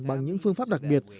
bằng những phương pháp đặc biệt